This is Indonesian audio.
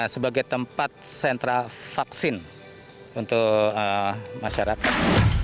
sebagai tempat sentra vaksin untuk masyarakat